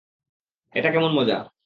এটা কেমন মজা?